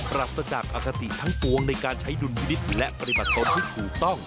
ปรัสจากอาคติทั้งตรวงในการใช้ดุลวิธิและปฏิบัติภาพผู้ถูกต้อง